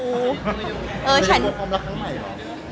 คุณกลัวความรักของใครหรอ